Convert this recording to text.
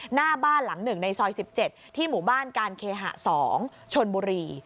หน้าบ้านหลัง๑ในซอย๑๗ที่หมู่บ้านการเคหะ๒ชนบุรี